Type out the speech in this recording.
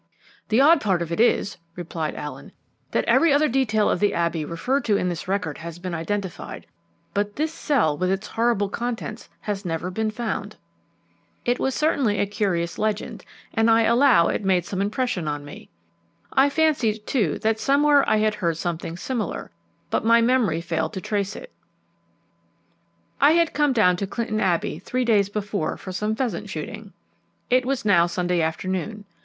"The odd part of it is," replied Allen, "that every other detail of the Abbey referred to in this record has been identified; but this cell with its horrible contents has never been found." It certainly was a curious legend, and I allow it made some impression on me. I fancied, too, that somewhere I had heard something similar, but my memory failed to trace it. I had come down to Clinton Abbey three days before for some pheasant shooting. It was now Sunday afternoon.